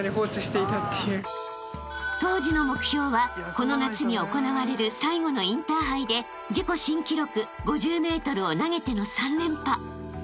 ［当時の目標はこの夏に行われる最後のインターハイで自己新記録５０ｍを投げての３連覇］